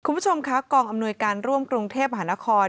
คุณผู้ชมคะกองอำนวยการร่วมกรุงเทพหานคร